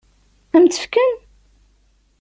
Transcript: Ad m-tt-fken?